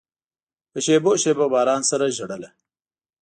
په شېبو، شېبو باران سره ژړله